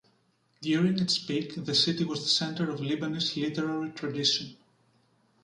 During its peak, the city was the centre of Lebanese literary tradition.